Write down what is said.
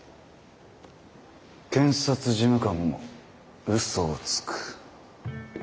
検察事務官もうそをつく。